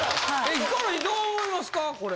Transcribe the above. ヒコロヒーどう思いますかこれ？